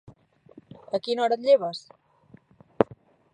A quina hora et lleves?